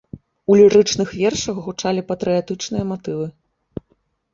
У лірычных вершах гучалі патрыятычныя матывы.